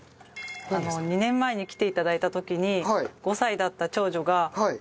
２年前に来て頂いた時に５歳だった長女が知ってる？